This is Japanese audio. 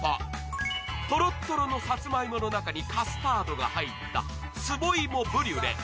トロットロのさつま芋の中にカスタードが入った壺芋ブリュレ